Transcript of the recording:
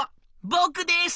「僕です。